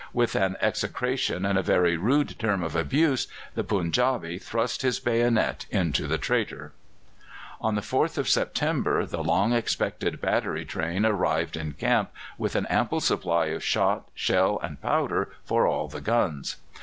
With an execration and a very rude term of abuse the Punjabee thrust his bayonet into the traitor. On the 4th of September the long expected battery train arrived in camp, with an ample supply of shot, shell, and powder for all the guns.